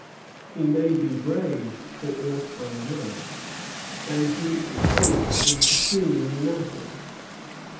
He may be brave for aught I know, and he is honest in pecuniary matters."